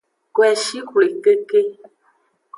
Koeshi xwle keke.